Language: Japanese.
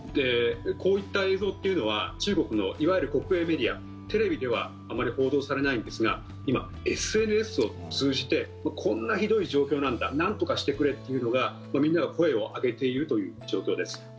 こういった映像というのは中国のいわゆる国営メディアテレビではあまり報道されないんですが今、ＳＮＳを通じてこんなひどい状況なんだなんとかしてくれというのがみんなが声を上げているという状況です。